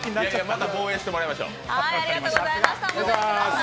また防衛してもらいましょう。